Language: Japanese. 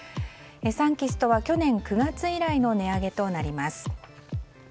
サンキストは去年９月以来の値上げとなります。